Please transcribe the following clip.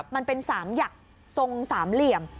มันเป็น๓หยักทรง๓เหลี่ยม